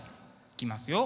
いきますよ。